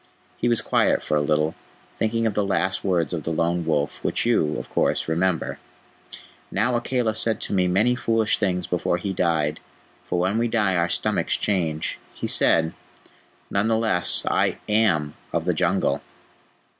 He was quiet for a little, thinking of the last words of the Lone Wolf, which you, of course, remember. "Now Akela said to me many foolish things before he died, for when we die our stomachs change. He said... None the less, I AM of the Jungle!"